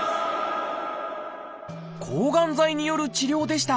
抗がん剤による治療でした。